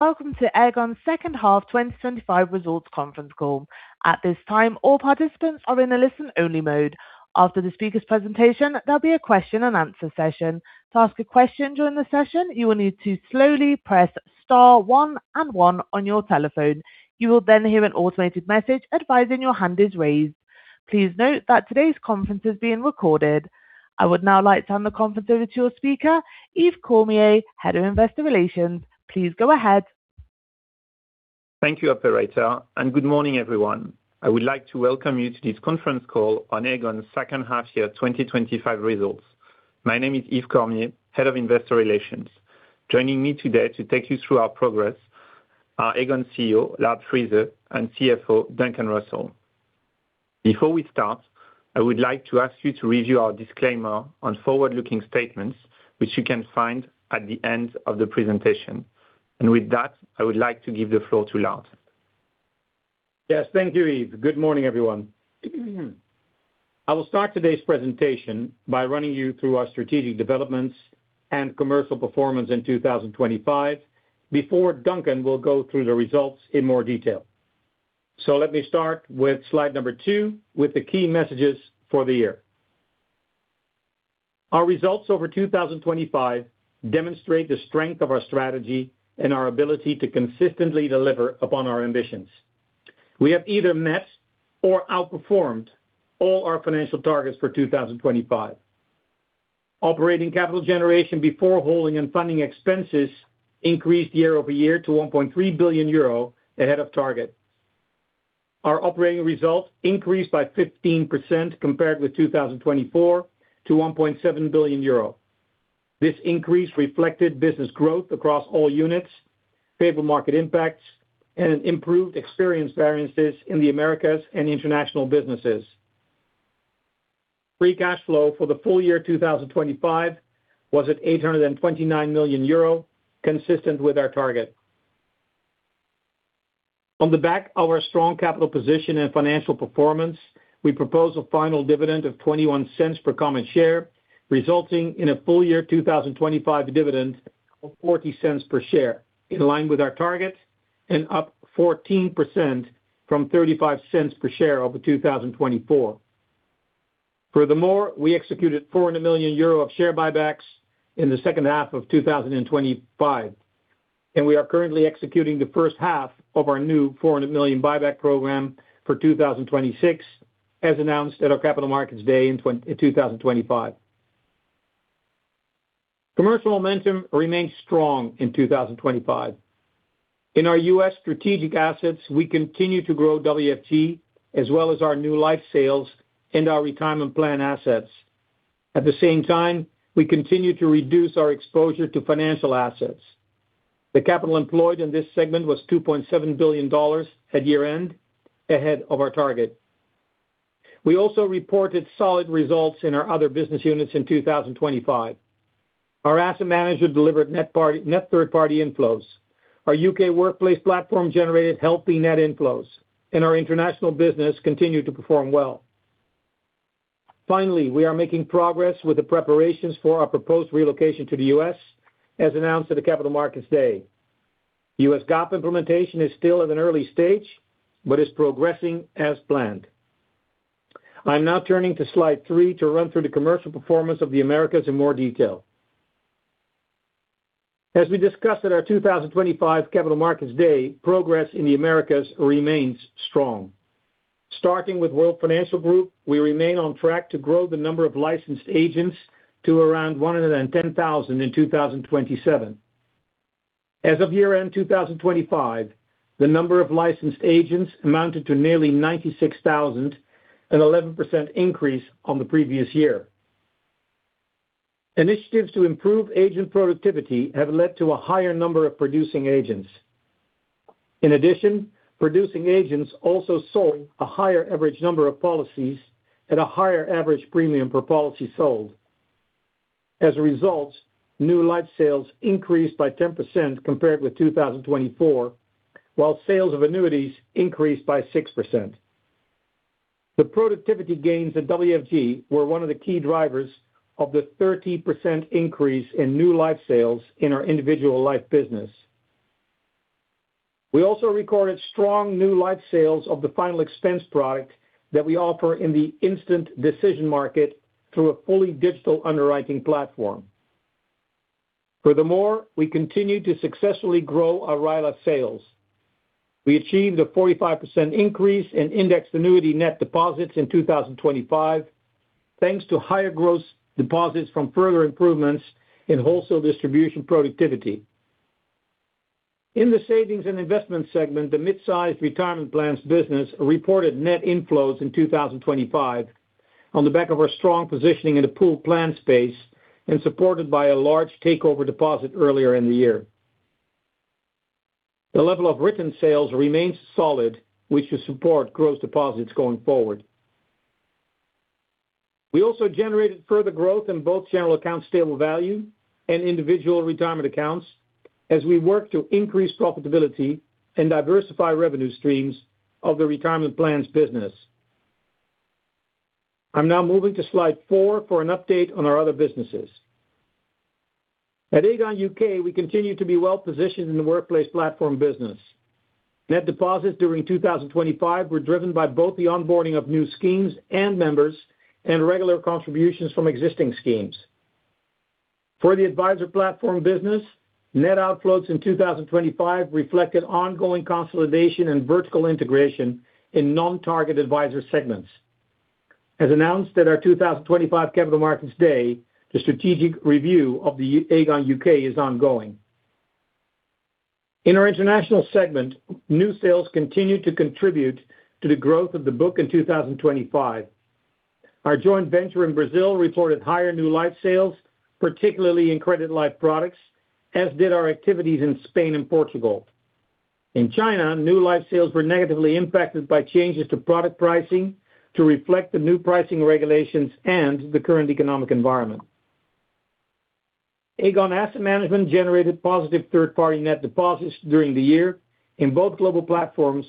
Welcome to Aegon's Second Half 2025 Results Conference Call. At this time, all participants are in a listen-only mode. After the speaker's presentation, there'll be a question-and-answer session. To ask a question during the session, you will need to slowly press star one and one on your telephone. You will then hear an automated message advising your hand is raised. Please note that today's conference is being recorded. I would now like to hand the conference over to your speaker, Yves Cormier, Head of Investor Relations. Please go ahead. Thank you, Operator, and good morning, everyone. I would like to welcome you to this conference call on Aegon's second half year 2025 results. My name is Yves Cormier, Head of Investor Relations. Joining me today to take you through our progress are Aegon CEO, Lard Friese, and CFO, Duncan Russell. Before we start, I would like to ask you to review our disclaimer on forward-looking statements, which you can find at the end of the presentation. With that, I would like to give the floor to Lard. Yes. Thank you, Yves. Good morning, everyone. I will start today's presentation by running you through our strategic developments and commercial performance in 2025, before Duncan will go through the results in more detail. So let me start with slide number two with the key messages for the year. Our results over 2025 demonstrate the strength of our strategy and our ability to consistently deliver upon our ambitions. We have either met or outperformed all our financial targets for 2025. Operating capital generation before holding and funding expenses increased year-over-year to 1.3 billion euro ahead of target. Our operating results increased by 15% compared with 2024 to 1.7 billion euro. This increase reflected business growth across all units, favorable market impacts, and an improved experience variances in the Americas and International businesses. Free cash flow for the full year 2025 was at 829 million euro, consistent with our target. On the back of our strong capital position and financial performance, we propose a final dividend of 0.21 per common share, resulting in a full year 2025 dividend of 0.40 per share, in line with our target and up 14% from 0.35 per share over 2024. Furthermore, we executed 400 million euro of share buybacks in the second half of 2025, and we are currently executing the first half of our new 400 million buyback program for 2026, as announced at our Capital Markets Day in 2025. Commercial momentum remained strong in 2025. In our U.S. Strategic Assets, we continue to grow WFG, as well as our new life sales and our retirement plan assets. At the same time, we continue to reduce our exposure to financial assets. The capital employed in this segment was $2.7 billion at year-end, ahead of our target. We also reported solid results in our other business units in 2025. Our asset management delivered net third-party inflows. Our U.K. Workplace platform generated healthy net inflows, and our International business continued to perform well. Finally, we are making progress with the preparations for our proposed relocation to the U.S., as announced at the Capital Markets Day. U.S. GAAP implementation is still at an early stage, but is progressing as planned. I'm now turning to slide three to run through the commercial performance of the Americas in more detail. As we discussed at our 2025 Capital Markets Day, progress in the Americas remains strong. Starting with World Financial Group, we remain on track to grow the number of licensed agents to around 110,000 in 2027. As of year-end 2025, the number of licensed agents amounted to nearly 96,000, an 11% increase on the previous year. Initiatives to improve agent productivity have led to a higher number of producing agents. In addition, producing agents also saw a higher average number of policies at a higher average premium per policy sold. As a result, new life sales increased by 10% compared with 2024, while sales of annuities increased by 6%. The productivity gains at WFG were one of the key drivers of the 13% increase in new life sales in our individual life business. We also recorded strong new life sales of the Final Expense product that we offer in the instant decision market through a fully digital underwriting platform. Furthermore, we continued to successfully grow our RILA sales. We achieved a 45% increase in indexed annuity net deposits in 2025, thanks to higher gross deposits from further improvements in wholesale distribution productivity. In the savings and investments segment, the mid-sized retirement plans business reported net inflows in 2025 on the back of our strong positioning in the pooled plan space and supported by a large takeover deposit earlier in the year. The level of written sales remains solid, which will support gross deposits going forward. We also generated further growth in both general account stable value and individual retirement accounts as we work to increase profitability and diversify revenue streams of the retirement plans business.... I'm now moving to slide four for an update on our other businesses. At Aegon U.K., we continue to be well-positioned in the Workplace platform business. Net deposits during 2025 were driven by both the onboarding of new schemes and members, and regular contributions from existing schemes. For the Adviser platform business, net outflows in 2025 reflected ongoing consolidation and vertical integration in non-target Adviser segments. As announced at our 2025 Capital Markets Day, the strategic review of the Aegon U.K. is ongoing. In our International segment, new sales continued to contribute to the growth of the book in 2025. Our joint venture in Brazil reported higher new life sales, particularly in credit life products, as did our activities in Spain and Portugal. In China, new life sales were negatively impacted by changes to product pricing to reflect the new pricing regulations and the current economic environment. Aegon Asset Management generated positive third-party net deposits during the year in both global platforms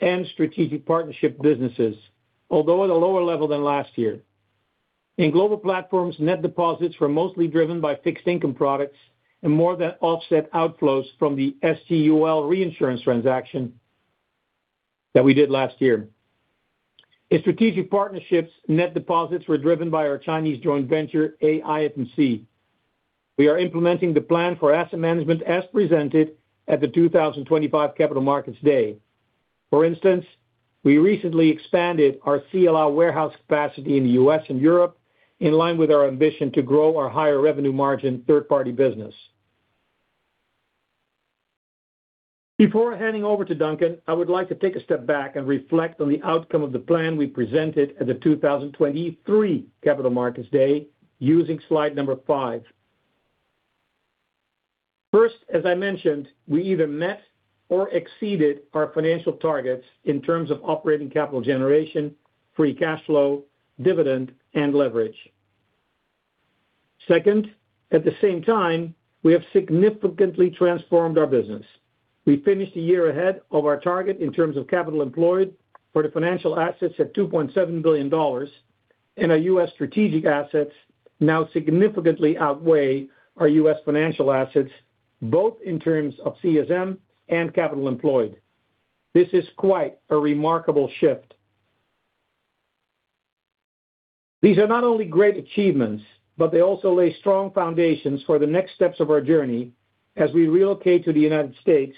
and strategic partnership businesses, although at a lower level than last year. In global platforms, net deposits were mostly driven by fixed income products and more than offset outflows from the SGUL reinsurance transaction that we did last year. In strategic partnerships, net deposits were driven by our Chinese joint venture, AIFMC. We are implementing the plan for asset management as presented at the 2025 Capital Markets Day. For instance, we recently expanded our CLO warehouse capacity in the U.S. and Europe, in line with our ambition to grow our higher revenue margin third-party business. Before handing over to Duncan, I would like to take a step back and reflect on the outcome of the plan we presented at the 2023 Capital Markets Day, using slide five. First, as I mentioned, we either met or exceeded our financial targets in terms of operating capital generation, free cash flow, dividend, and leverage. Second, at the same time, we have significantly transformed our business. We finished a year ahead of our target in terms of capital employed for the financial assets at $2.7 billion, and our U.S. Strategic Assets now significantly outweigh our U.S. Financial Assets, both in terms of CSM and capital employed. This is quite a remarkable shift. These are not only great achievements, but they also lay strong foundations for the next steps of our journey as we relocate to the United States,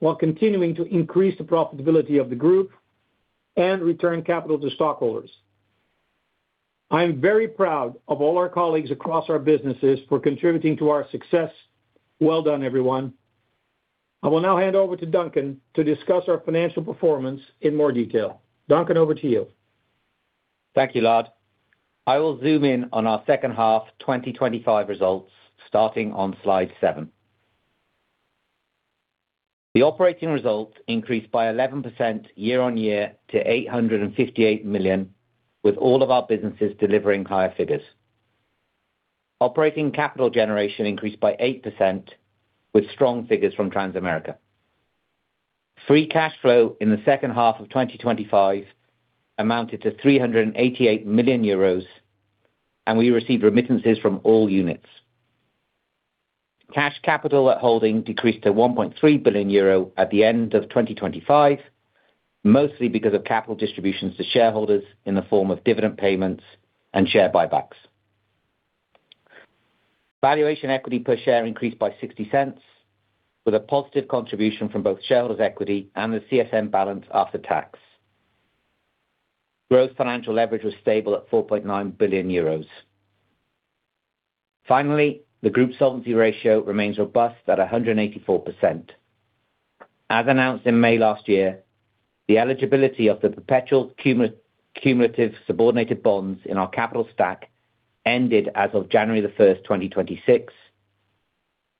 while continuing to increase the profitability of the group and return capital to stockholders. I am very proud of all our colleagues across our businesses for contributing to our success. Well done, everyone. I will now hand over to Duncan to discuss our financial performance in more detail. Duncan, over to you. Thank you, Lard. I will zoom in on our second half 2025 results, starting on slide seven. The operating results increased by 11% year-on-year to 858 million, with all of our businesses delivering higher figures. Operating capital generation increased by 8%, with strong figures from Transamerica. Free cash flow in the second half of 2025 amounted to 388 million euros, and we received remittances from all units. Cash capital at holding decreased to 1.3 billion euro at the end of 2025, mostly because of capital distributions to shareholders in the form of dividend payments and share buybacks. Valuation equity per share increased by 0.60, with a positive contribution from both shareholders' equity and the CSM balance after tax. Gross financial leverage was stable at 4.9 billion euros. Finally, the group solvency ratio remains robust at 184%. As announced in May last year, the eligibility of the perpetual cumulative subordinated bonds in our capital stack ended as of January 1st, 2026.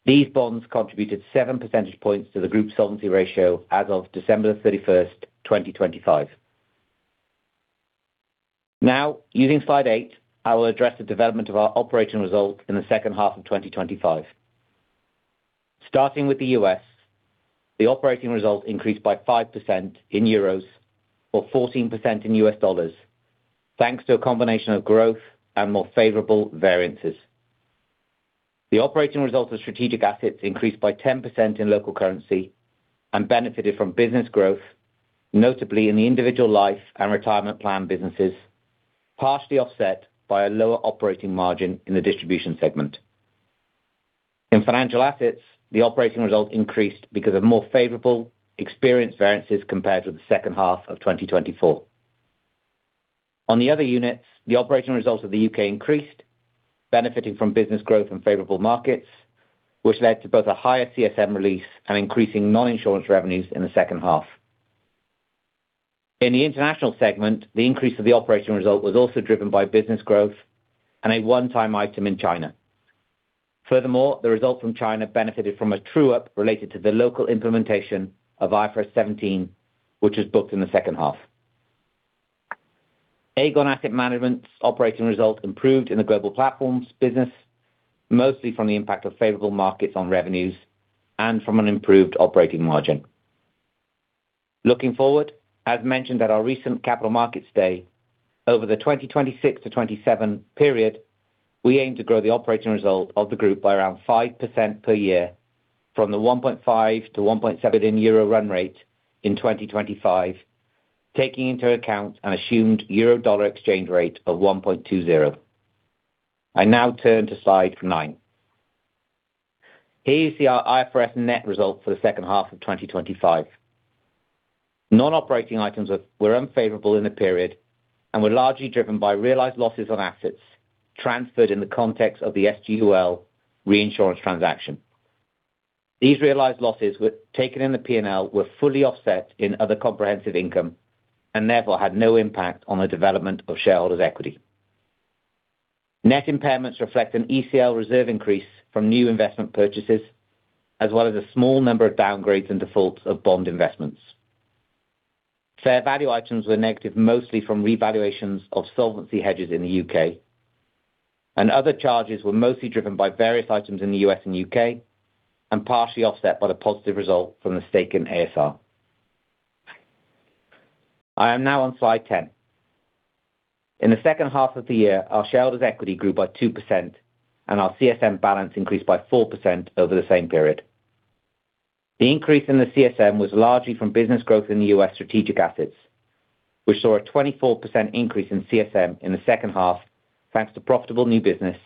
These bonds contributed 7 percentage points to the group solvency ratio as of December 31st, 2025. Now, using slide eight, I will address the development of our operating results in the second half of 2025. Starting with the U.S., the operating result increased by 5% in euros, or 14% in U.S. dollars, thanks to a combination of growth and more favorable variances. The operating results of strategic assets increased by 10% in local currency and benefited from business growth, notably in the individual life and retirement plan businesses, partially offset by a lower operating margin in the distribution segment. In financial assets, the operating results increased because of more favorable experience variances compared to the second half of 2024. On the other units, the operating results of the U.K. increased, benefiting from business growth and favorable markets, which led to both a higher CSM release and increasing non-insurance revenues in the second half. In the International segment, the increase of the operating result was also driven by business growth and a one-time item in China. Furthermore, the results from China benefited from a true-up related to the local implementation of IFRS 17, which was booked in the second half. Aegon Asset Management's operating results improved in the global platforms business, mostly from the impact of favorable markets on revenues and from an improved operating margin.... Looking forward, as mentioned at our recent Capital Markets Day, over the 2026-2027 period, we aim to grow the operating result of the group by around 5% per year from the 1.5 billion-1.7 billion euro run rate in 2025, taking into account an assumed euro-dollar exchange rate of 1.20. I now turn to slide nine. Here you see our IFRS net result for the second half of 2025. Non-operating items were unfavorable in the period and were largely driven by realized losses on assets transferred in the context of the SGUL reinsurance transaction. These realized losses were taken in the P&L, were fully offset in other comprehensive income, and therefore had no impact on the development of shareholders' equity. Net impairments reflect an ECL reserve increase from new investment purchases, as well as a small number of downgrades and defaults of bond investments. Fair value items were negative, mostly from revaluations of solvency hedges in the U.K., and other charges were mostly driven by various items in the U.S. and U.K., and partially offset by the positive result from the stake in a.s.r. I am now on slide 10. In the second half of the year, our shareholders' equity grew by 2%, and our CSM balance increased by 4% over the same period. The increase in the CSM was largely from business growth in the U.S. Strategic Assets, which saw a 24% increase in CSM in the second half, thanks to profitable new business,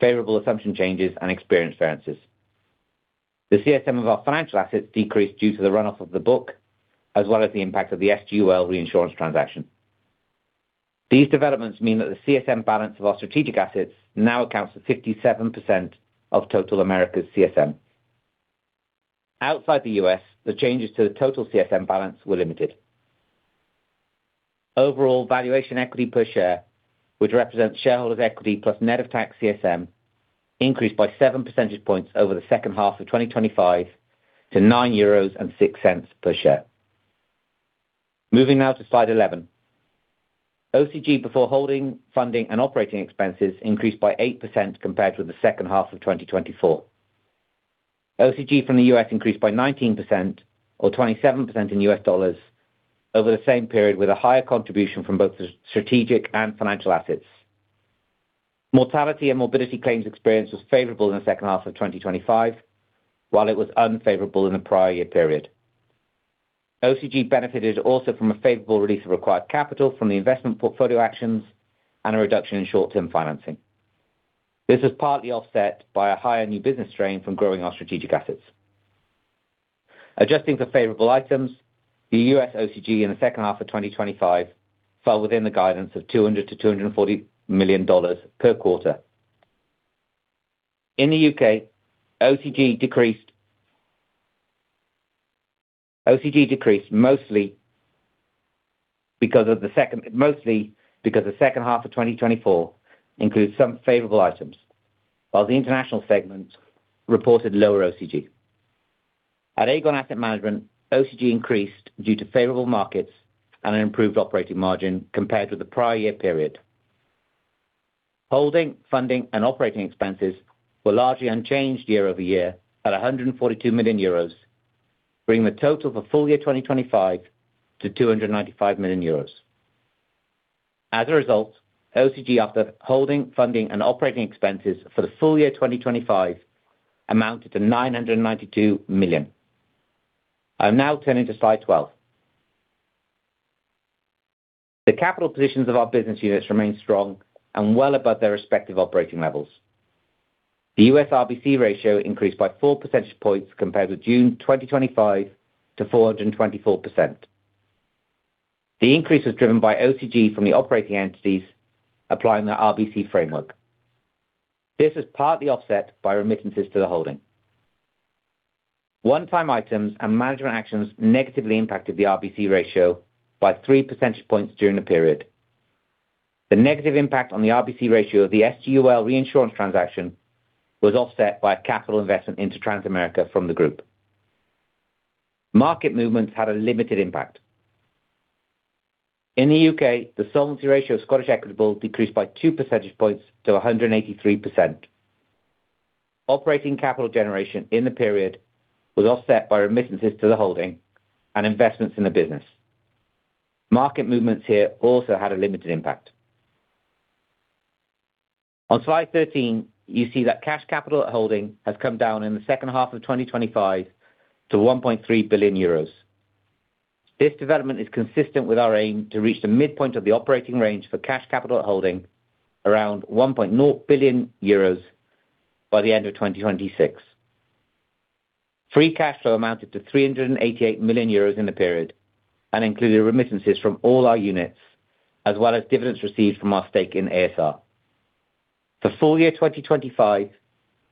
favorable assumption changes and experience variances. The CSM of our financial assets decreased due to the runoff of the book, as well as the impact of the SGUL reinsurance transaction. These developments mean that the CSM balance of our strategic assets now accounts for 57% of total Americas CSM. Outside the U.S., the changes to the total CSM balance were limited. Overall, valuation equity per share, which represents shareholders' equity plus net of tax CSM, increased by 7 percentage points over the second half of 2025 to 9.06 euros per share. Moving now to slide 11. OCG before holding, funding and operating expenses increased by 8% compared with the second half of 2024. OCG from the U.S. increased by 19% or 27% in USD over the same period, with a higher contribution from both the strategic and financial assets. Mortality and morbidity claims experience was favorable in the second half of 2025, while it was unfavorable in the prior year period. OCG benefited also from a favorable release of required capital from the investment portfolio actions and a reduction in short-term financing. This was partly offset by a higher new business strain from growing our strategic assets. Adjusting for favorable items, the U.S. OCG in the second half of 2025 fell within the guidance of $200 million-$240 million per quarter. In the U.K., OCG decreased. OCG decreased mostly because the second half of 2024 includes some favorable items, while the International segment reported lower OCG. At Aegon Asset Management, OCG increased due to favorable markets and an improved operating margin compared with the prior year period. Holding, funding and operating expenses were largely unchanged year-over-year at 142 million euros, bringing the total for full year 2025 to 295 million euros. As a result, OCG, after holding, funding and operating expenses for the full year 2025, amounted to 992 million. I will now turn to slide 12. The capital positions of our business units remain strong and well above their respective operating levels. The U.S. RBC ratio increased by 4 percentage points compared with June 2025 to 424%. The increase was driven by OCG from the operating entities applying the RBC framework. This is partly offset by remittances to the holding. One-time items and management actions negatively impacted the RBC ratio by 3 percentage points during the period. The negative impact on the RBC ratio of the SGUL reinsurance transaction was offset by a capital investment into Transamerica from the group. Market movements had a limited impact. In the U.K., the solvency ratio of Scottish Equitable decreased by 2 percentage points to 183%. Operating capital generation in the period was offset by remittances to the holding and investments in the business. Market movements here also had a limited impact. On slide 13, you see that cash capital at holding has come down in the second half of 2025 to 1.3 billion euros. This development is consistent with our aim to reach the midpoint of the operating range for cash capital at holding around 1.0 billion euros by the end of 2026. Free cash flow amounted to 388 million euros in the period, and included remittances from all our units, as well as dividends received from our stake in a.s.r. For full year 2025,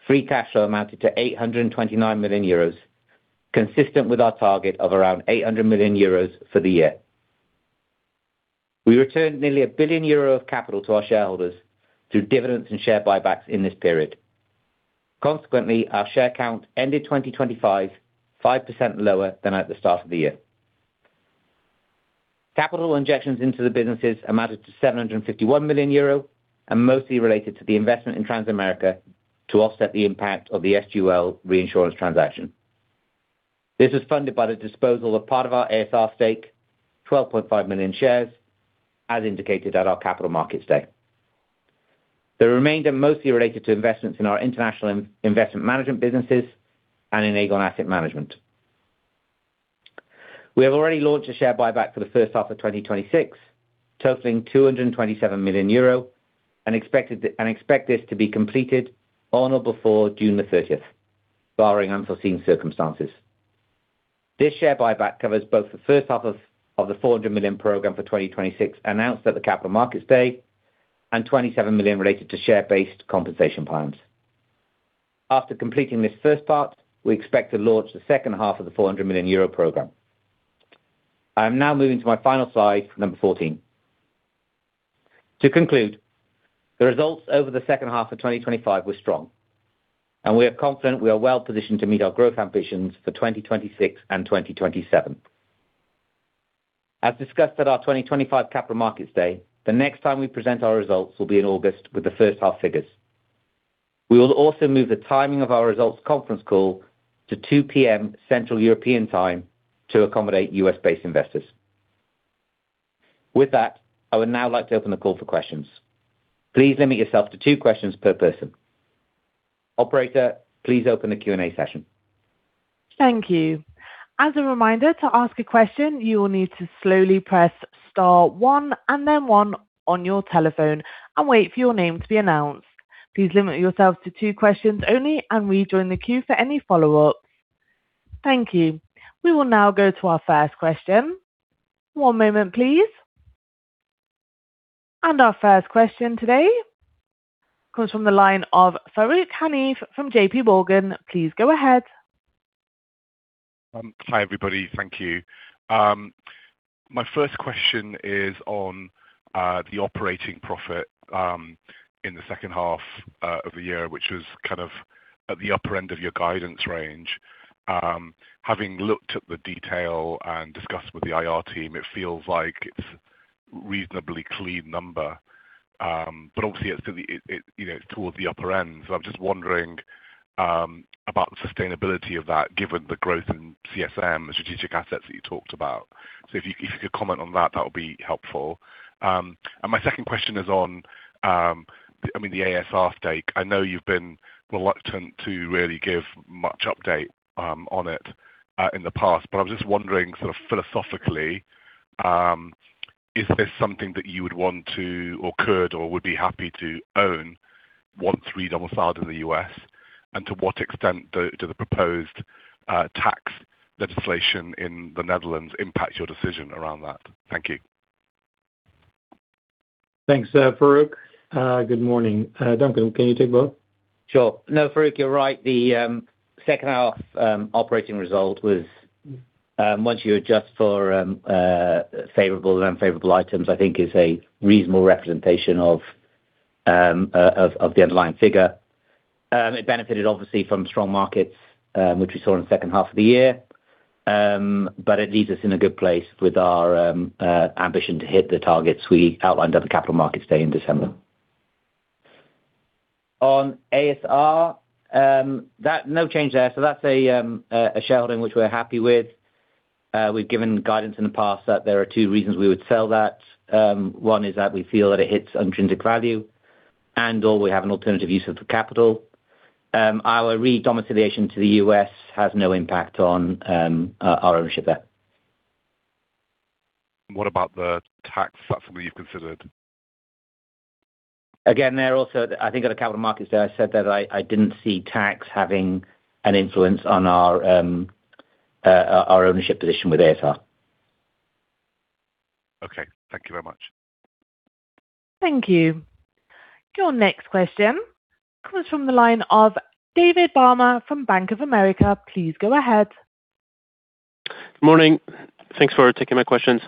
free cash flow amounted to 829 million euros, consistent with our target of around 800 million euros for the year. We returned nearly a billion euro of capital to our shareholders through dividends and share buybacks in this period. Consequently, our share count ended 2025, 5% lower than at the start of the year.... Capital injections into the businesses amounted to 751 million euro, and mostly related to the investment in Transamerica to offset the impact of the SGUL reinsurance transaction. This is funded by the disposal of part of our a.s.r stake, 12.5 million shares, as indicated at our Capital Markets Day. The remainder mostly related to investments in our international investment management businesses and in Aegon Asset Management. We have already launched a share buyback for the first half of 2026, totaling 227 million euro, and expect this to be completed on or before June 30, barring unforeseen circumstances. This share buyback covers both the first half of the 400 million program for 2026, announced at the Capital Markets Day, and 27 million related to share-based compensation plans. After completing this first part, we expect to launch the second half of the 400 million euro program. I am now moving to my final slide, number 14. To conclude, the results over the second half of 2025 were strong, and we are confident we are well positioned to meet our growth ambitions for 2026 and 2027. As discussed at our 2025 Capital Markets Day, the next time we present our results will be in August with the first half figures. We will also move the timing of our results conference call to 2:00 P.M., Central European time, to accommodate U.S.-based investors. With that, I would now like to open the call for questions. Please limit yourself to two questions per person. Operator, please open the Q&A session. Thank you. As a reminder, to ask a question, you will need to slowly press star one and then one on your telephone and wait for your name to be announced. Please limit yourselves to two questions only and rejoin the queue for any follow-up. Thank you. We will now go to our first question. One moment, please. Our first question today comes from the line of Farooq Hanif from JPMorgan. Please go ahead. Hi, everybody. Thank you. My first question is on the operating profit in the second half of the year, which was kind of at the upper end of your guidance range. Having looked at the detail and discussed with the IR team, it feels like it's a reasonably clean number, but obviously, you know, it's towards the upper end. So I'm just wondering about the sustainability of that, given the growth in CSM, the strategic assets that you talked about. So if you could comment on that, that would be helpful. And my second question is on, I mean, the a.s.r stake. I know you've been reluctant to really give much update, on it, in the past, but I was just wondering, sort of philosophically, is this something that you would want to or could or would be happy to own once redomiciled in the U.S.? And to what extent do the proposed, tax legislation in the Netherlands impact your decision around that? Thank you. Thanks, Farooq. Good morning. Duncan, can you take both? Sure. No, Farooq, you're right. The second half operating result was, once you adjust for favorable and unfavorable items, I think is a reasonable representation of the underlying figure. It benefited obviously from strong markets, which we saw in the second half of the year. But it leaves us in a good place with our ambition to hit the targets we outlined at the Capital Markets Day in December. On a.s.r, that... No change there. So that's a shareholding which we're happy with. We've given guidance in the past that there are two reasons we would sell that. One is that we feel that it hits intrinsic value and/or we have an alternative use of the capital. Our redomiciliation to the U.S. has no impact on our ownership there. What about the tax? Is that something you've considered? Again, there also, I think at the Capital Markets Day, I said that I didn't see tax having an influence on our ownership position with a.s.r. Okay. Thank you very much. Thank you. Your next question comes from the line of David Barma from Bank of America. Please go ahead. Good morning. Thanks for taking my questions.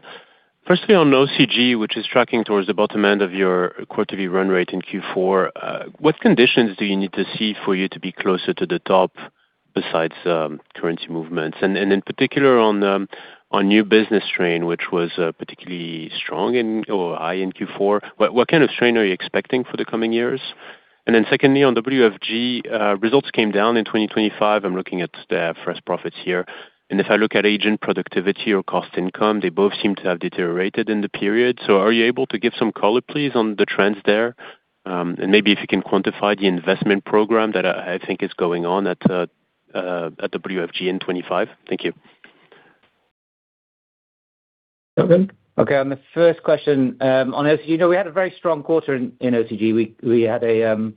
Firstly, on OCG, which is tracking towards the bottom end of your quarterly run rate in Q4, what conditions do you need to see for you to be closer to the top, besides, currency movements? And, and in particular, on, on new business strain, which was, particularly strong in or high in Q4, what, what kind of strain are you expecting for the coming years? And then secondly, on WFG, results came down in 2025. I'm looking at the first profits here, and if I look at agent productivity or cost income, they both seem to have deteriorated in the period. So are you able to give some color, please, on the trends there? Maybe if you can quantify the investment program that I think is going on at WFG in 2025. Thank you. Okay. Okay, on the first question, on OCG, you know, we had a very strong quarter in OCG.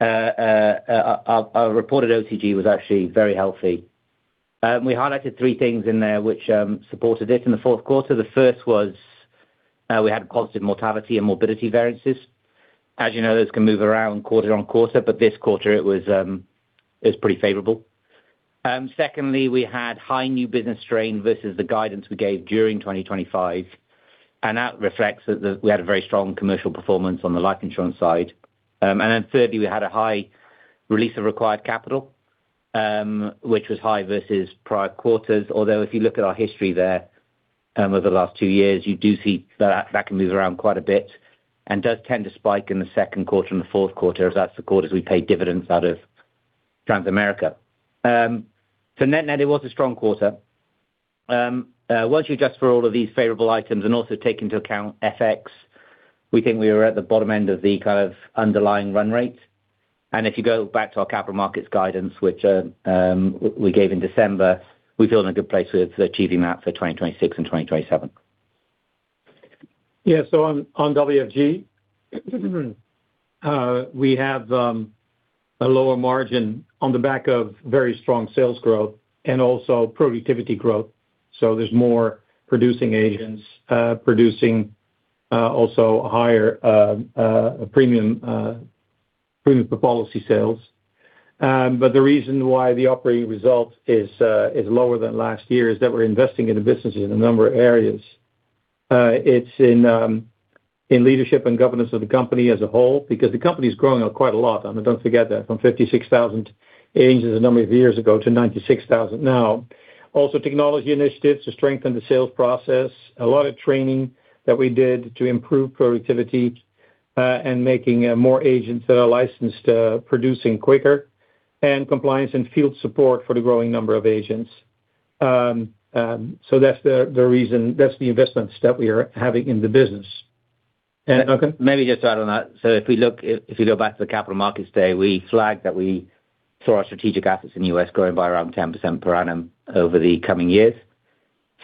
Our reported OCG was actually very healthy. We highlighted three things in there which supported it in the fourth quarter. The first was, we had positive mortality and morbidity variances. As you know, those can move around quarter-on-quarter, but this quarter it was pretty favorable. Secondly, we had high new business strain versus the guidance we gave during 2025. And that reflects that we had a very strong commercial performance on the life insurance side. And then thirdly, we had a high release of required capital, which was high versus prior quarters. Although, if you look at our history there, over the last two years, you do see that that can move around quite a bit and does tend to spike in the second quarter and the fourth quarter, as that's the quarters we pay dividends out of Transamerica. So net-net, it was a strong quarter. Once you adjust for all of these favorable items and also take into account FX, we think we were at the bottom end of the kind of underlying run rate. And if you go back to our capital markets guidance, which we gave in December, we feel in a good place with achieving that for 2026 and 2027. Yeah. So on WFG, we have a lower margin on the back of very strong sales growth and also productivity growth, so there's more producing agents producing, also higher premium per policy sales. But the reason why the operating result is lower than last year is that we're investing in the business in a number of areas. It's in leadership and governance of the company as a whole, because the company's growing up quite a lot. I mean, don't forget that, from 56,000 agents a number of years ago to 96,000 now. Also, technology initiatives to strengthen the sales process, a lot of training that we did to improve productivity, and making more agents that are licensed producing quicker, and compliance and field support for the growing number of agents. So that's the reason, that's the investments that we are having in the business. Maybe just to add on that, so if we look, if you go back to the Capital Markets Day, we flagged that we saw our strategic assets in the U.S. growing by around 10% per annum over the coming years.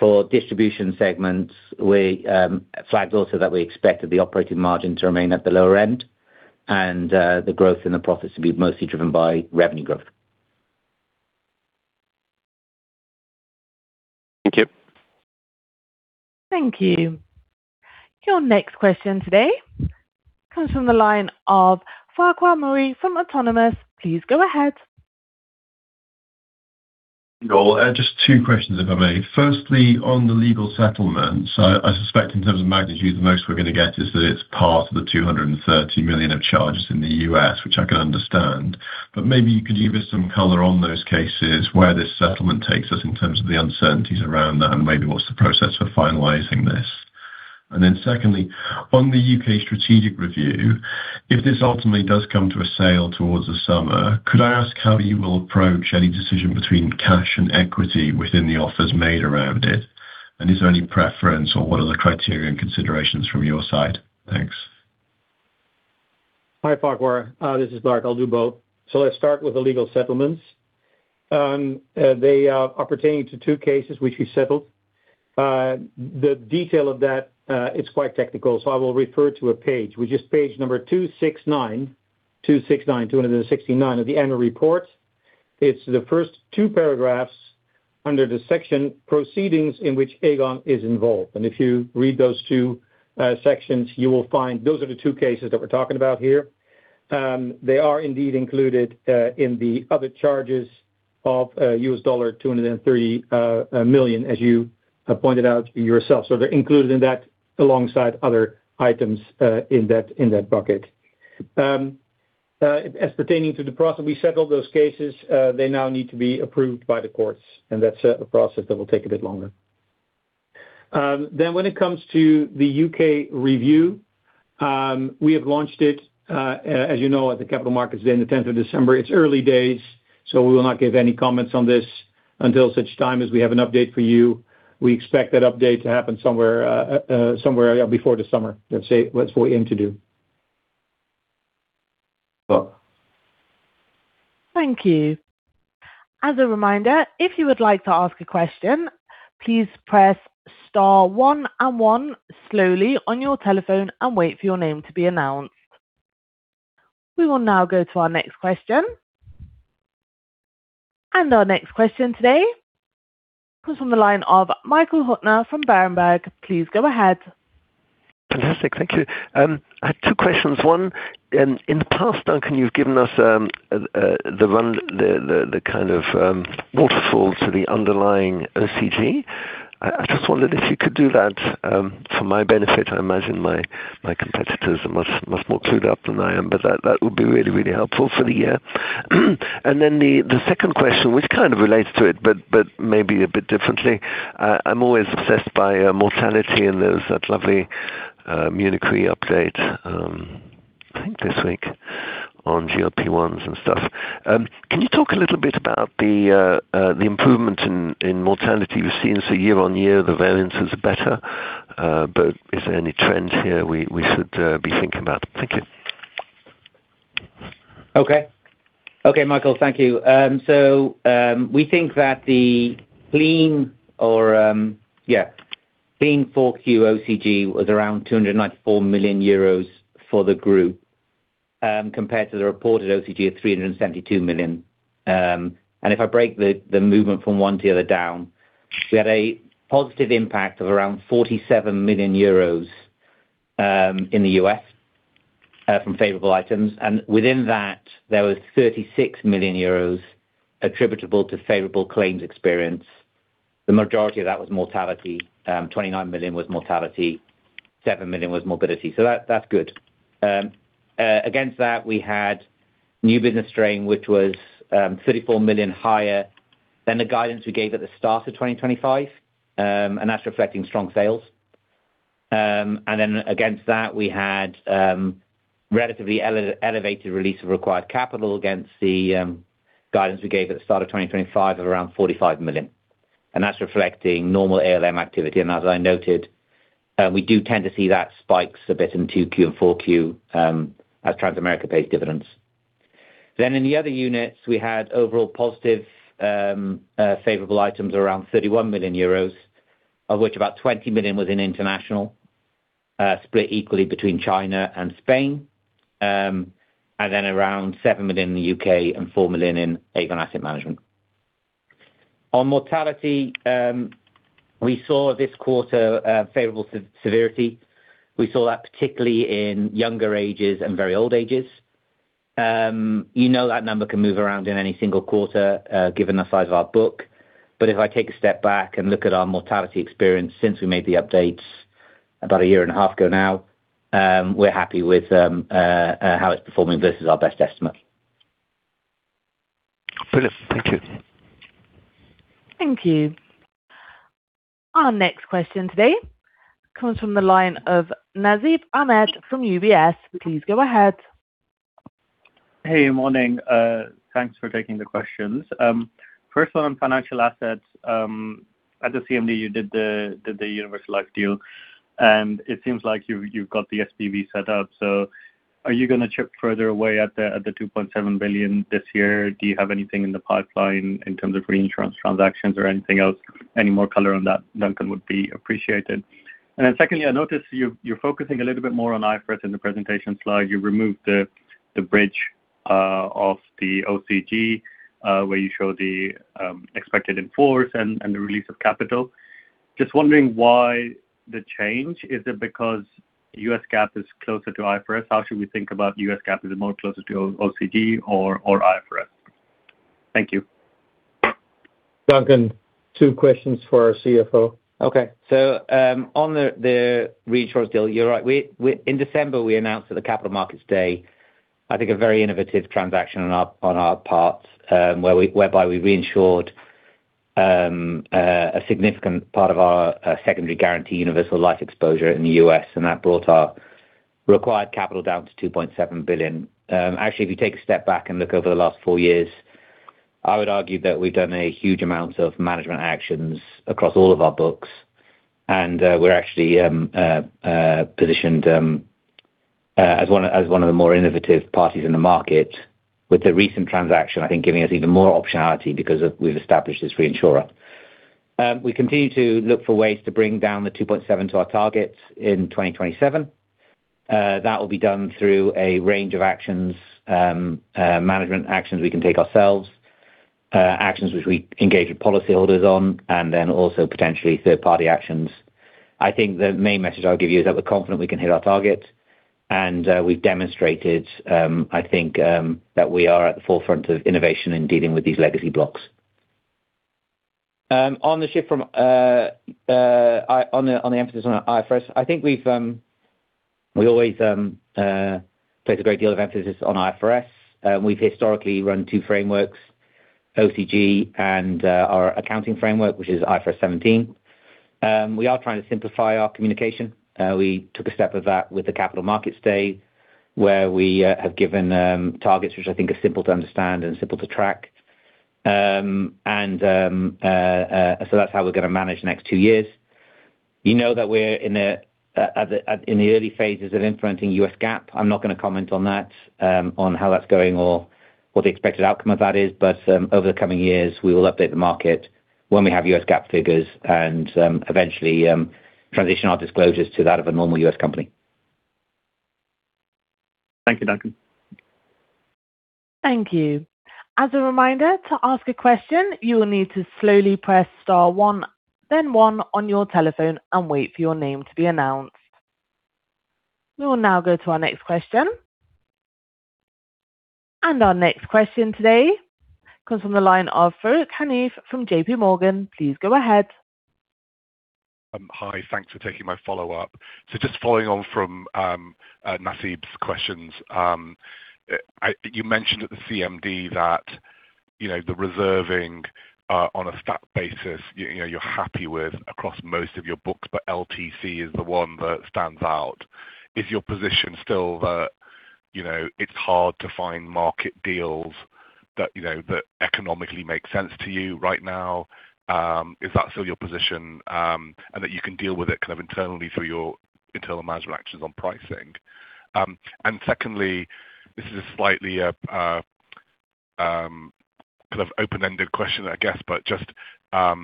For distribution segments, we flagged also that we expected the operating margin to remain at the lower end and the growth in the profits to be mostly driven by revenue growth. Thank you. Thank you. Your next question today comes from the line of Farquhar Murray from Autonomous. Please go ahead. Well, just two questions, if I may. Firstly, on the legal settlement, so I suspect in terms of magnitude, the most we're gonna get is that it's part of the $230 million of charges in the U.S., which I can understand. But maybe you could give us some color on those cases, where this settlement takes us in terms of the uncertainties around that, and maybe what's the process for finalizing this? And then secondly, on the U.K. strategic review, if this ultimately does come to a sale towards the summer, could I ask how you will approach any decision between cash and equity within the offers made around it? And is there any preference, or what are the criteria and considerations from your side? Thanks. Hi, Farquhar. This is Lard. I'll do both. So let's start with the legal settlements. They are pertaining to two cases which we settled. The detail of that is quite technical, so I will refer to a page, which is page 269 of the annual report. It's the first two paragraphs under the section Proceedings in Which Aegon is Involved. If you read those two sections, you will find those are the two cases that we're talking about here. They are indeed included in the other charges of $230 million, as you have pointed out yourself. So they're included in that alongside other items in that bucket. As pertaining to the process, we settled those cases, they now need to be approved by the courts, and that's a process that will take a bit longer. When it comes to the U.K. review, we have launched it, as you know, at the Capital Markets Day on the 10th of December. It's early days, so we will not give any comments on this until such time as we have an update for you. We expect that update to happen somewhere before the summer. Let's say, that's what we aim to do. Well... Thank you. As a reminder, if you would like to ask a question, please press star one and one slowly on your telephone and wait for your name to be announced. We will now go to our next question. Our next question today comes from the line of Michael Huttner from Berenberg. Please go ahead. Fantastic. Thank you. I had two questions. One, in the past, Duncan, you've given us the kind of waterfall to the underlying OCG. I just wondered if you could do that for my benefit. I imagine my competitors are much more clued up than I am, but that would be really helpful for the year. And then the second question, which kind of relates to it, but maybe a bit differently, I'm always obsessed by mortality, and there's that lovely Munich Re update, I think this week, on GLP-1s and stuff. Can you talk a little bit about the improvement in mortality we've seen? So year-on-year, the variances are better, but is there any trends here we should be thinking about? Thank you. Okay. Okay, Michael, thank you. So, we think that the clean or, yeah, clean Q4 OCG was around 294 million euros for the group, compared to the reported OCG of 372 million. And if I break the, the movement from one to the other down, we had a positive impact of around 47 million euros in the U.S. from favorable items, and within that, there was 36 million euros attributable to favorable claims experience. The majority of that was mortality. 29 million was mortality, 7 million was morbidity, so that's good. Against that, we had new business strain, which was 34 million higher than the guidance we gave at the start of 2025, and that's reflecting strong sales. And then against that, we had relatively elevated release of required capital against the guidance we gave at the start of 2025 of around 45 million, and that's reflecting normal ALM activity. And as I noted, we do tend to see that spikes a bit in 2Q and 4Q, as Transamerica pays dividends. Then in the other units, we had overall positive favorable items around 31 million euros, of which about 20 million was in international, split equally between China and Spain, and then around 7 million in the U.K. and 4 million in Aegon Asset Management. On mortality, we saw this quarter favorable severity. We saw that particularly in younger ages and very old ages. You know, that number can move around in any single quarter, given the size of our book. But if I take a step back and look at our mortality experience since we made the updates about a year and a half ago now, we're happy with how it's performing versus our best estimate. [inaudible] Thank you. Thank you. Our next question today comes from the line of Nasib Ahmed from UBS. Please go ahead. Hey, morning. Thanks for taking the questions. First, on financial assets, at the CMD, you did the universal life deal, and it seems like you've got the SPV set up, so are you gonna chip further away at the 2.7 billion this year? Do you have anything in the pipeline in terms of reinsurance transactions or anything else? Any more color on that, Duncan, would be appreciated. Then secondly, I noticed you're focusing a little bit more on IFRS in the presentation slide. You removed the bridge off the OCG, where you show the expected in force and the release of capital. Just wondering why the change? Is it because U.S. GAAP is closer to IFRS? How should we think about U.S. GAAP? Is it more closer to OCG or IFRS? Thank you. Duncan, two questions for our CFO. Okay. So, on the reinsurance deal, you're right. In December, we announced at the Capital Markets Day, I think, a very innovative transaction on our part, whereby we reinsured a significant part of our secondary guarantee universal life exposure in the U.S., and that brought our required capital down to 2.7 billion. Actually, if you take a step back and look over the last four years, I would argue that we've done a huge amount of management actions across all of our books, and we're actually positioned as one of the more innovative parties in the market with the recent transaction, I think, giving us even more optionality because we've established this reinsurer. We continue to look for ways to bring down the 2.7 billion to our targets in 2027. That will be done through a range of actions, management actions we can take ourselves, actions which we engage with policyholders on, and then also potentially third-party actions. I think the main message I'll give you is that we're confident we can hit our target, and we've demonstrated, I think, that we are at the forefront of innovation in dealing with these legacy blocks. On the emphasis on IFRS, I think we've always placed a great deal of emphasis on IFRS. We've historically run two frameworks, OCG and our accounting framework, which is IFRS 17. We are trying to simplify our communication. We took a step of that with the Capital Markets Day, where we have given targets, which I think are simple to understand and simple to track. So that's how we're gonna manage the next two years. You know that we're in the early phases of implementing U.S. GAAP. I'm not gonna comment on that on how that's going or what the expected outcome of that is, but over the coming years, we will update the market when we have U.S. GAAP figures and eventually transition our disclosures to that of a normal U.S. company. Thank you, Duncan. Thank you. As a reminder, to ask a question, you will need to slowly press star one, then one on your telephone and wait for your name to be announced. We will now go to our next question. Our next question today comes from the line of Farooq Hanif from JPMorgan. Please go ahead. Hi, thanks for taking my follow-up. So just following on from Nasib's questions, you mentioned at the CMD that, you know, the reserving on a stat basis, you know, you're happy with across most of your books, but LTC is the one that stands out. Is your position still that, you know, it's hard to find market deals that, you know, that economically make sense to you right now? Is that still your position? And that you can deal with it kind of internally through your internal management actions on pricing. Secondly, this is a slightly kind of open-ended question, I guess, but just, I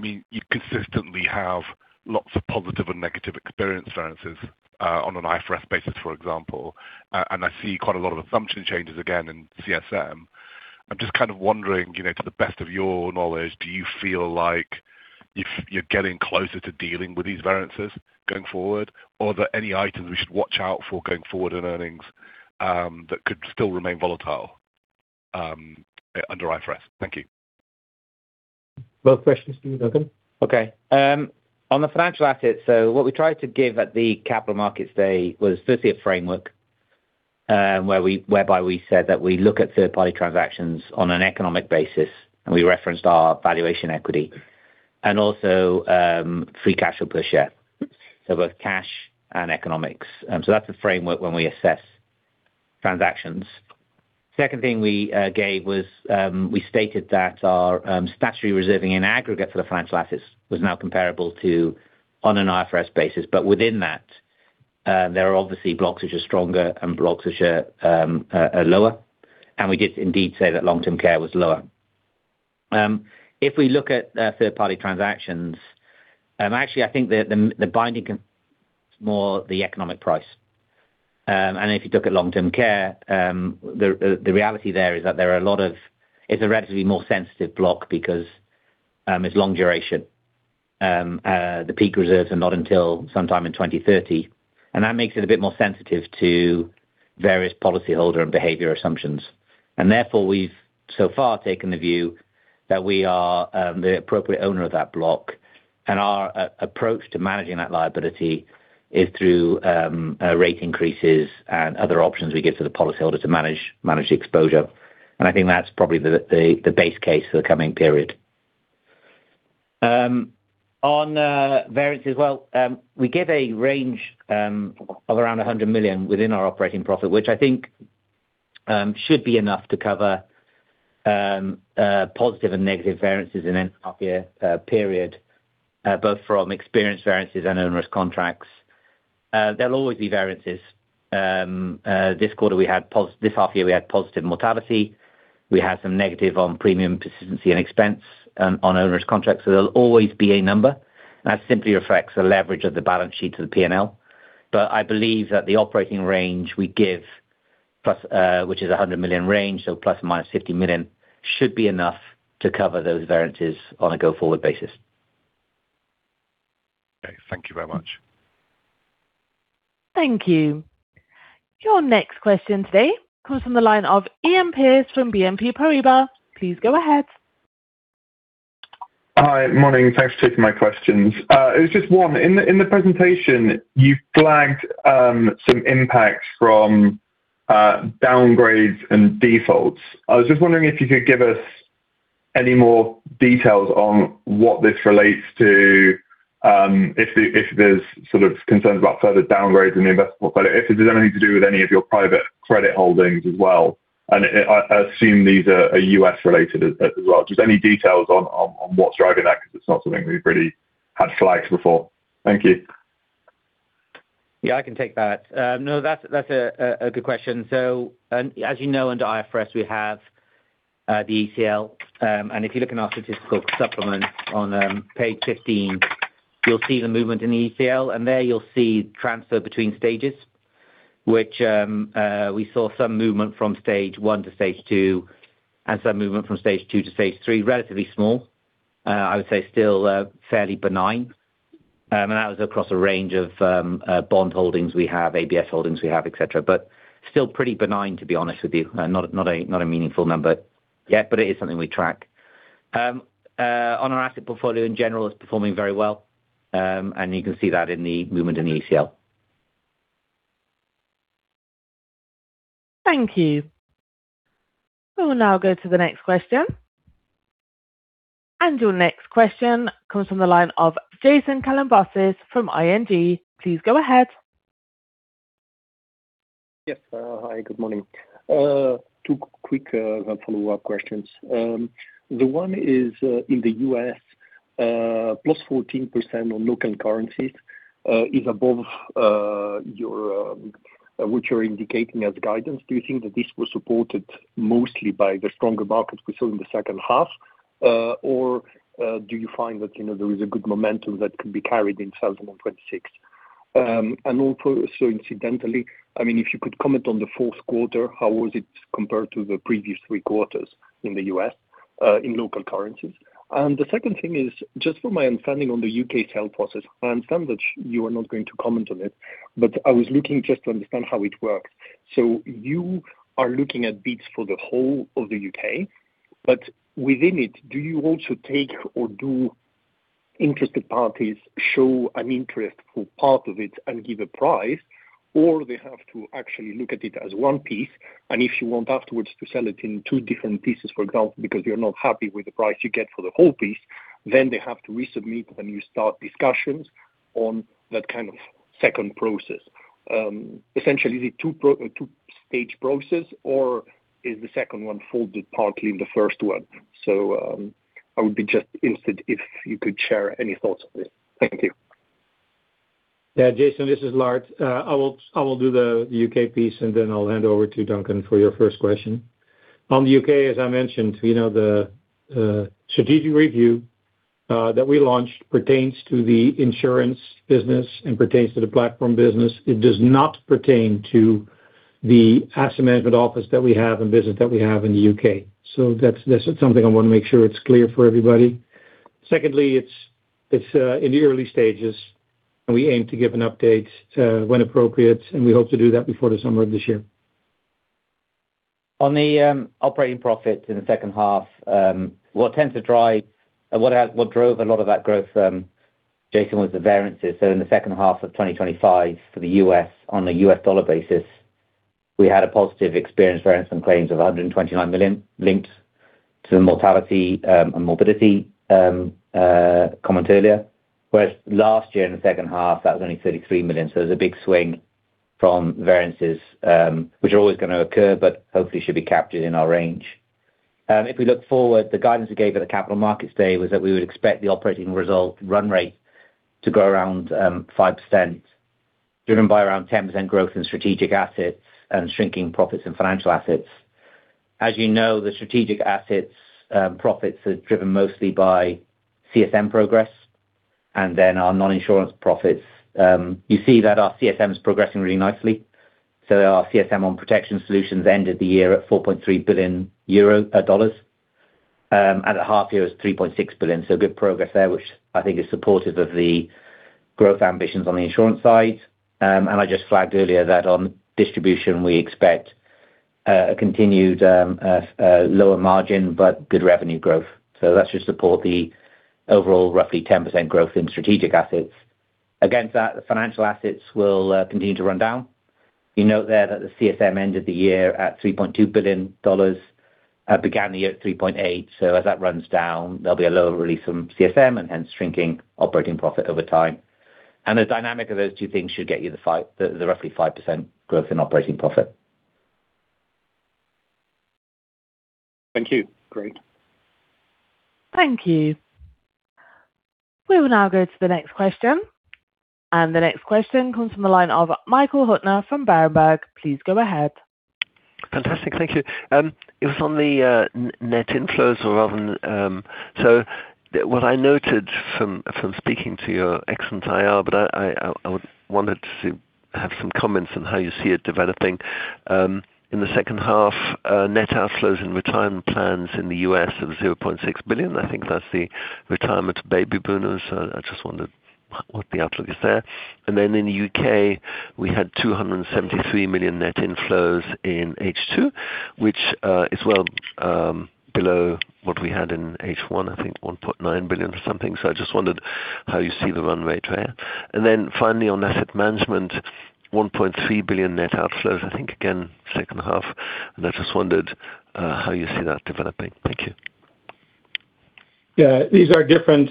mean, you consistently have lots of positive and negative experience variances on an IFRS basis, for example, and I see quite a lot of assumption changes again in CSM.... I'm just kind of wondering, you know, to the best of your knowledge, do you feel like if you're getting closer to dealing with these variances going forward, or are there any items we should watch out for going forward in earnings, that could still remain volatile, under IFRS? Thank you. Both questions to you, Duncan. Okay. On the financial assets, so what we tried to give at the Capital Markets Day was firstly, a framework, whereby we said that we look at third-party transactions on an economic basis, and we referenced our valuation equity, and also, free cash flow per share, so both cash and economics. So that's the framework when we assess transactions. Second thing we gave was, we stated that our statutory reserving in aggregate for the financial assets was now comparable to on an IFRS basis, but within that, there are obviously blocks which are stronger and blocks which are lower. And we did indeed say that long-term care was lower. If we look at third-party transactions, actually, I think the binding more the economic price. And if you look at long-term care, the reality there is that there are a lot of. It's a relatively more sensitive block because it's long duration. The peak reserves are not until sometime in 2030, and that makes it a bit more sensitive to various policyholder and behavior assumptions. Therefore, we've so far taken the view that we are the appropriate owner of that block. Our approach to managing that liability is through rate increases and other options we give to the policyholder to manage the exposure. I think that's probably the base case for the coming period. On variances, well, we give a range of around 100 million within our operating profit, which I think should be enough to cover positive and negative variances in any half year period, both from experienced variances and onerous contracts. There'll always be variances. This half year, we had positive mortality. We had some negative on premium persistency and expense on onerous contracts, so there'll always be a number. That simply reflects the leverage of the balance sheet to the P&L. But I believe that the operating range we give plus, which is a 100 million range, so ±50 million, should be enough to cover those variances on a go-forward basis. Okay. Thank you very much. Thank you. Your next question today comes from the line of Iain Pearce from BNP Paribas. Please go ahead. Hi. Morning. Thanks for taking my questions. It was just one. In the presentation, you flagged some impacts from downgrades and defaults. I was just wondering if you could give us any more details on what this relates to, if there's sort of concerns about further downgrades in the investment credit, if there's anything to do with any of your private credit holdings as well. And I assume these are U.S. related as well. Just any details on what's driving that, 'cause it's not something we've really had flagged before. Thank you. Yeah, I can take that. No, that's a good question. So, as you know, under IFRS, we have the ECL. And if you look in our statistical supplement on page 15, you'll see the movement in the ECL, and there you'll see transfer between stages, which we saw some movement from stage one to stage two and some movement from stage two to stage three, relatively small. I would say still fairly benign. And that was across a range of bond holdings we have, ABS holdings we have, et cetera, but still pretty benign, to be honest with you. Not a meaningful number yet, but it is something we track. On our asset portfolio, in general, it's performing very well. You can see that in the movement in the ECL. Thank you. We will now go to the next question. Your next question comes from the line of Jason Kalamboussis from ING. Please go ahead. Yes. Hi, good morning. Two quick follow-up questions. The one is, in the U.S., +14% on local currencies, is above your what you're indicating as guidance. Do you think that this was supported mostly by the stronger markets we saw in the second half, or do you find that, you know, there is a good momentum that can be carried in 2026? And also, so incidentally, I mean, if you could comment on the fourth quarter, how was it compared to the previous three quarters in the U.S., in local currencies? And the second thing is, just from my understanding on the U.K. sale process, I understand that you are not going to comment on it, but I was looking just to understand how it works. So you are looking at bids for the whole of the U.K., but within it, do you also take or do interested parties show an interest for part of it and give a price, or they have to actually look at it as one piece, and if you want afterwards to sell it in two different pieces, for example, because you're not happy with the price you get for the whole piece, then they have to resubmit, and you start discussions on that kind of second process. Essentially, is it two-stage process, or is the second one folded partly in the first one? So, I would be just interested if you could share any thoughts on this. Thank you. Yeah, Jason, this is Lard. I will do the U.K. piece, and then I'll hand over to Duncan for your first question. On the U.K., as I mentioned, you know, the strategic review that we launched pertains to the insurance business and pertains to the platform business. It does not pertain to the asset management office that we have and business that we have in the U.K. So that's something I want to make sure it's clear for everybody. Secondly, it's in the early stages, and we aim to give an update when appropriate, and we hope to do that before the summer of this year. On the operating profit in the second half, what drove a lot of that growth, Jason, was the variances. So in the second half of 2025, for the U.S., on a U.S. dollar basis, we had a positive experience variance on claims of $129 million linked to the mortality and morbidity comment earlier. Whereas last year, in the second half, that was only $33 million. So it was a big swing from variances, which are always gonna occur, but hopefully should be captured in our range. If we look forward, the guidance we gave at the Capital Markets Day was that we would expect the operating result run rate to grow around 5%, driven by around 10% growth in strategic assets and shrinking profits and financial assets. As you know, the strategic assets, profits are driven mostly by CSM progress, and then our non-insurance profits. You see that our CSM is progressing really nicely. Our CSM on Protection Solutions ended the year at $4.3 billion, and at half year, it was $3.6 billion. Good progress there, which I think is supportive of the growth ambitions on the insurance side. I just flagged earlier that on distribution, we expect a continued lower margin, but good revenue growth. That should support the overall roughly 10% growth in strategic assets. Against that, the financial assets will continue to run down. You note there that the CSM ended the year at $3.2 billion, began the year at $3.8 billion. So as that runs down, there'll be a lower release from CSM and hence shrinking operating profit over time. And the dynamic of those two things should get you the roughly 5% growth in operating profit. Thank you. Great. Thank you. We will now go to the next question. The next question comes from the line of Michael Huttner from Berenberg. Please go ahead. Fantastic. Thank you. It was on the net inflows rather than... What I noted from speaking to your excellent IR, but I would wanted to see-- have some comments on how you see it developing. In the second half, net outflows and retirement plans in the U.S. of $0.6 billion, I think that's the retirement baby boomers. I just wondered what the outlook is there. In the U.K., we had 273 million net inflows in H2, which is well below what we had in H1, I think 1.9 billion or something. I just wondered how you see the runway there. And then finally, on asset management, 1.3 billion net outflows, I think, again, second half, and I just wondered how you see that developing? Thank you. Yeah. These are different,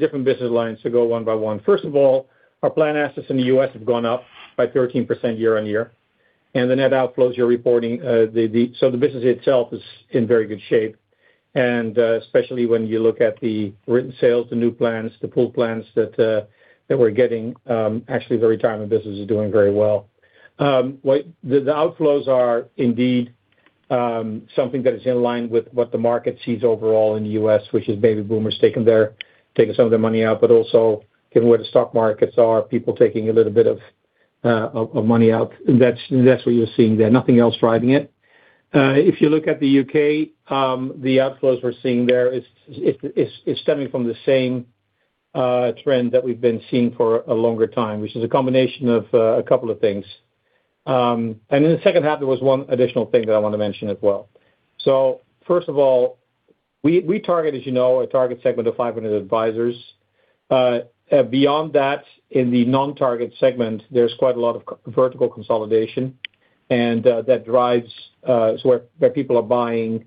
different business lines, to go one by one. First of all, our plan assets in the U.S. have gone up by 13% year-on-year, and the net outflows you're reporting, the—so the business itself is in very good shape, and, especially when you look at the written sales, the new plans, the pool plans that, that we're getting, actually, the retirement business is doing very well. The outflows are indeed, something that is in line with what the market sees overall in the U.S., which is baby boomers taking their, taking some of their money out, but also given where the stock markets are, people taking a little bit of, of, of money out. That's, that's what you're seeing there, nothing else driving it. If you look at the U.K., the outflows we're seeing there is stemming from the same trend that we've been seeing for a longer time, which is a combination of a couple of things. In the second half, there was one additional thing that I want to mention as well. So first of all, we target, as you know, a target segment of 500 advisers. Beyond that, in the non-target segment, there's quite a lot of vertical consolidation, and that drives so where people are buying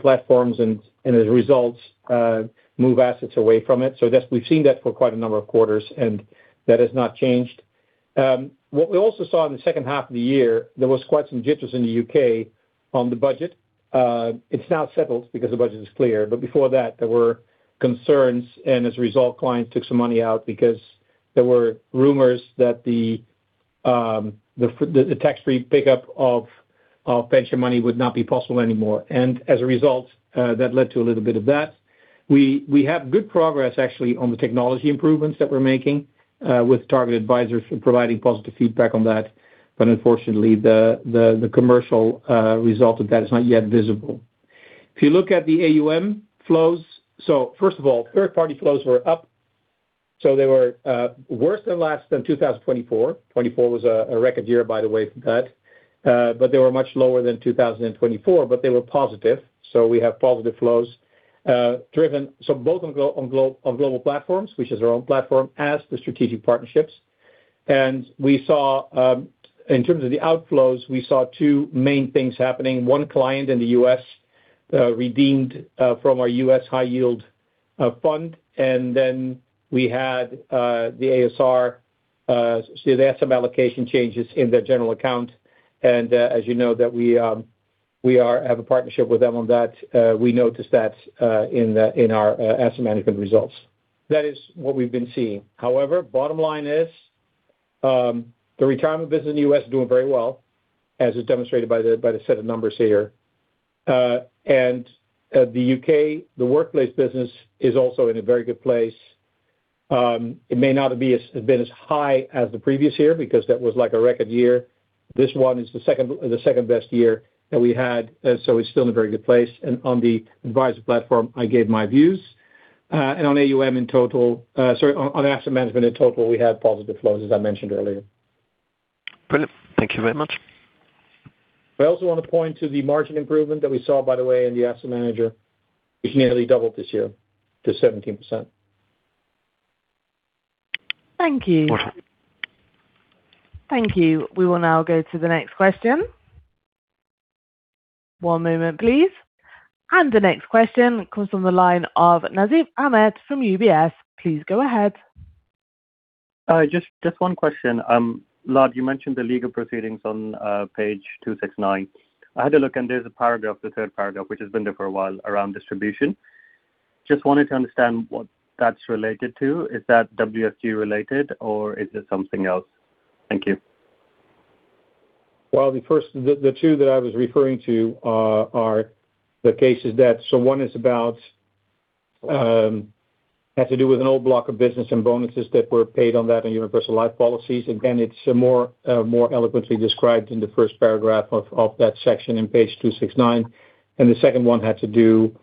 platforms and as a result move assets away from it. So that's. We've seen that for quite a number of quarters, and that has not changed. What we also saw in the second half of the year, there was quite some jitters in the U.K. on the budget. It's now settled because the budget is clear, but before that, there were concerns, and as a result, clients took some money out because there were rumors that the tax-free pickup of pension money would not be possible anymore. As a result, that led to a little bit of that. We have good progress, actually, on the technology improvements that we're making with target advisers providing positive feedback on that, but unfortunately, the commercial result of that is not yet visible. If you look at the AUM flows, so first of all, third-party flows were up, so they were worse than last than 2024. 2024 was a record year, by the way, for that. But they were much lower than 2024, but they were positive, so we have positive flows, driven, so both on global platforms, which is our own platform, as the strategic partnerships. And we saw, in terms of the outflows, we saw two main things happening. One, client in the U.S. redeemed from our U.S. high yield fund, and then we had the a.s.r, so they had some allocation changes in their general account. And, as you know, we have a partnership with them on that. We noticed that in our asset management results. That is what we've been seeing. However, bottom line is-... The retirement business in the U.S. is doing very well, as is demonstrated by the set of numbers here. The U.K. Workplace business is also in a very good place. It may not be as been as high as the previous year because that was like a record year. This one is the second best year that we had, and so it's still in a very good place. On the Adviser platform, I gave my views. On AUM in total, sorry, on asset management in total, we had positive flows, as I mentioned earlier. Brilliant. Thank you very much. I also want to point to the margin improvement that we saw, by the way, in the asset manager. It nearly doubled this year to 17%. Thank you. Thank you. We will now go to the next question. One moment, please. The next question comes from the line of Nasib Ahmed from UBS. Please go ahead. Just, just one question. Lard, you mentioned the legal proceedings on page 269. I had a look, and there's a paragraph, the third paragraph, which has been there for a while, around distribution. Just wanted to understand what that's related to. Is that WFG related, or is it something else? Thank you. Well, the first two that I was referring to are the cases that... So one is about, had to do with an old block of business and bonuses that were paid on that and universal life policies. Again, it's more eloquently described in the first paragraph of that section in page 269. And the second one had to do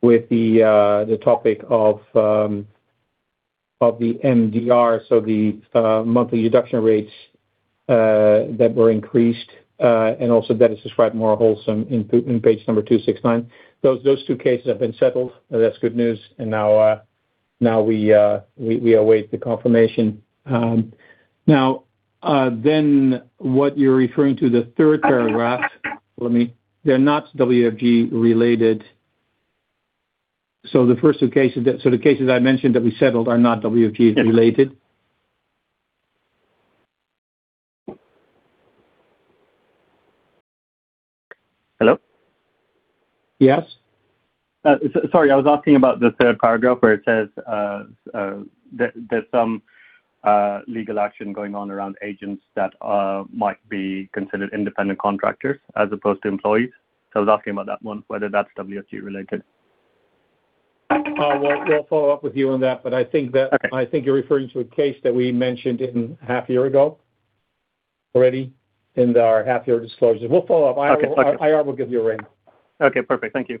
with the topic of the MDR, so the monthly deduction rates that were increased, and also that is described more wholly in page number 269. Those two cases have been settled, and that's good news, and now, now we await the confirmation. Now, then what you're referring to, the third paragraph, let me-- they're not WFG related. So the first two cases, so the cases I mentioned that we settled are not WFG related. Hello? Yes. Sorry, I was asking about the third paragraph, where it says that there's some legal action going on around agents that might be considered independent contractors as opposed to employees. So I was asking about that one, whether that's WFG related. We'll follow-up with you on that, but I think that- Okay. I think you're referring to a case that we mentioned in half-year ago already in our half-year disclosure. We'll follow-up. Okay. Okay. IR will give you a ring. Okay, perfect. Thank you.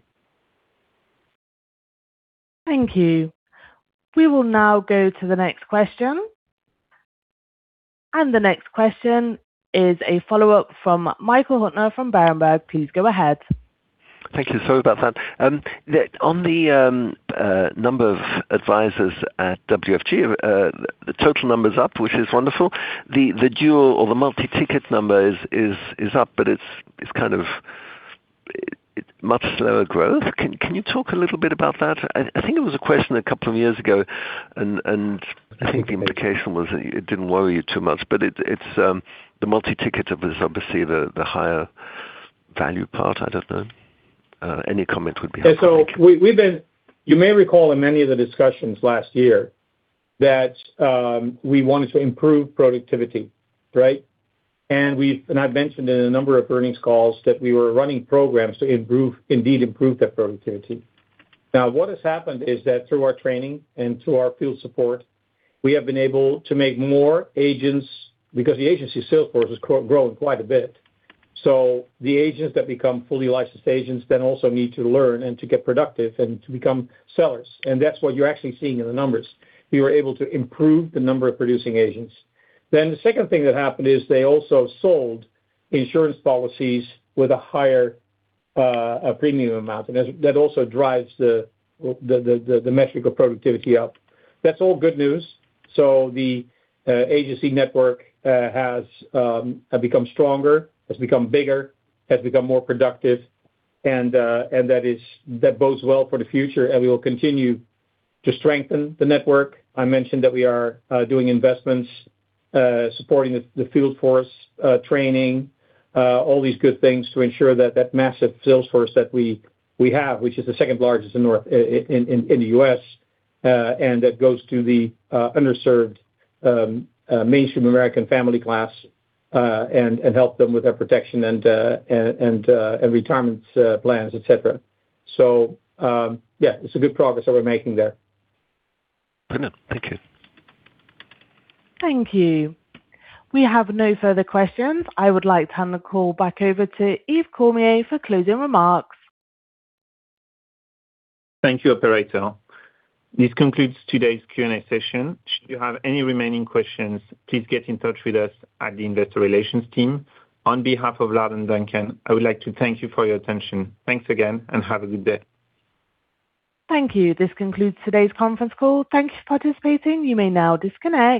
Thank you. We will now go to the next question. The next question is a follow-up from Michael Huttner from Berenberg. Please go ahead. Thank you. Sorry about that. On the number of advisers at WFG, the total number is up, which is wonderful. The dual or the multi-ticket number is up, but it's kind of much slower growth. Can you talk a little bit about that? I think it was a question a couple of years ago, and I think the implication was that it didn't worry you too much, but it's the multi-ticket is obviously the higher value part. I don't know. Any comment would be helpful. And so we've been. You may recall in many of the discussions last year that we wanted to improve productivity, right? And I've mentioned in a number of earnings calls that we were running programs to improve, indeed improve that productivity. Now, what has happened is that through our training and through our field support, we have been able to make more agents, because the agency sales force has grown quite a bit. So the agents that become fully licensed agents then also need to learn and to get productive and to become sellers, and that's what you're actually seeing in the numbers. We were able to improve the number of producing agents. Then the second thing that happened is they also sold insurance policies with a higher premium amount, and that also drives the metric of productivity up. That's all good news. So the agency network has become stronger, has become bigger, has become more productive, and that bodes well for the future, and we will continue to strengthen the network. I mentioned that we are doing investments supporting the field force, training, all these good things to ensure that massive sales force that we have, which is the second largest in the U.S., and that goes to the underserved mainstream American family class, and help them with their protection and retirement plans, et cetera. So yeah, it's good progress that we're making there. Brilliant. Thank you. Thank you. We have no further questions. I would like to turn the call back over to Yves Cormier for closing remarks. Thank you, Operator. This concludes today's Q&A session. Should you have any remaining questions, please get in touch with us at the Investor Relations team. On behalf of Lard and Duncan, I would like to thank you for your attention. Thanks again, and have a good day. Thank you. This concludes today's conference call. Thank you for participating. You may now disconnect.